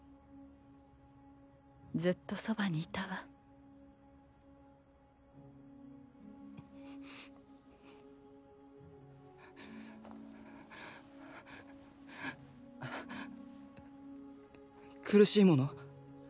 ずっとそばにいたわ苦しいもの？